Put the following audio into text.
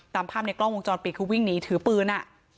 ตามภาพในกล้องวงจรปิดคือวิ่งหนีถือปืน